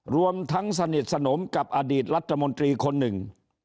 รวมทั้งสนิทสนมกับอดีตรัฐมนตรีคนหนึ่ง